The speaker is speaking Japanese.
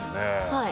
はい。